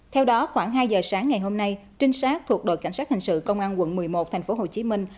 theo đó khoảng hai giờ sáng ngày hôm nay trinh sát thuộc đội cảnh sát hình sự công an quận một mươi một thành phố hồ chí minh